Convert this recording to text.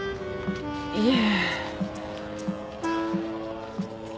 いえ。